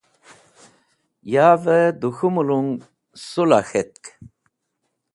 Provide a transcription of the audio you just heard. Yavẽ dẽ k̃hũ mẽlong sũla k̃hetk